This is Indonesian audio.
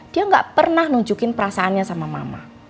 dia gak pernah nunjukin perasaannya sama mama